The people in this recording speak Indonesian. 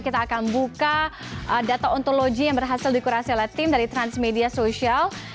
kita akan buka data ontologi yang berhasil dikurasi oleh tim dari transmedia sosial